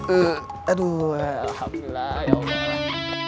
aduh alhamdulillah ya allah